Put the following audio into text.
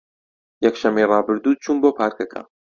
یەکشەممەی ڕابردوو چووم بۆ پارکەکە.